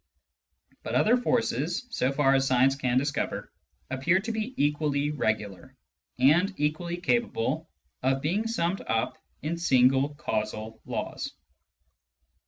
But other forces, so far as science can discover, appear to be equally regxilar, and equally capable of being summed up in single causal laws.